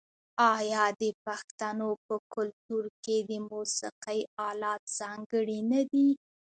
آیا د پښتنو په کلتور کې د موسیقۍ الات ځانګړي نه دي؟